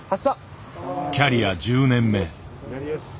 キャリア１０年目。